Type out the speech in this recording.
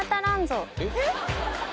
えっ？